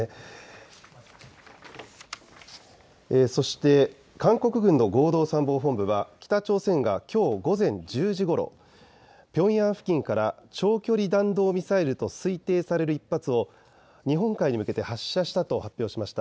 そして韓国軍の合同参謀本部は北朝鮮がきょう午前１０時ごろ、ピョンヤン付近から長距離弾道ミサイルと推定される１発を日本海に向けて発射したと発表しました。